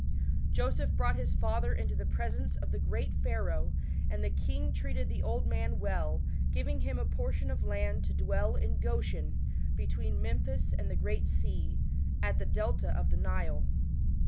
Joseph brought his father into the presence of the great Pharaoh, and the king treated the old man well, giving him a portion of land to dwell in Goshen between Memphis and the Great Sea, at the delta of the Nile.